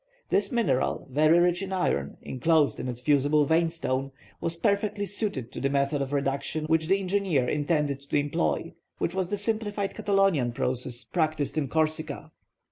This mineral, very rich in iron, enclosed in its fusible vein stone, was perfectly suited to the method of reduction which the engineer intended to employ, which was the simplified Catalonian process practised in Corsica.